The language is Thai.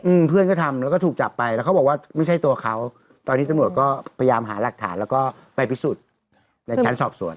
อืมเพื่อนก็ทำแล้วก็ถูกจับไปแล้วเขาบอกว่าไม่ใช่ตัวเขาตอนนี้ตำรวจก็พยายามหาหลักฐานแล้วก็ไปพิสูจน์ในชั้นสอบสวน